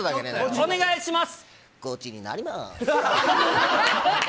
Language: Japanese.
お願いします。